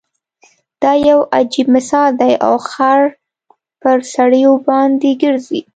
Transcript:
دا يو عجیب مثال دی او خر په سړیو باندې ګرځي.